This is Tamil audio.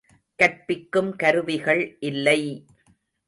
கற்பிக்கும் கருவிகள் இல்லை!